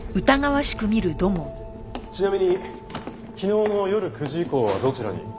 ちなみに昨日の夜９時以降はどちらに？